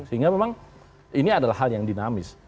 sehingga memang ini adalah hal yang dinamis